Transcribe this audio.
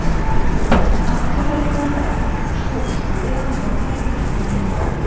Адтуль адказалі, што ў школе рамонт рабілі.